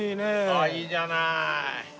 あっいいじゃない。